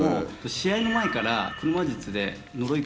試合の前から？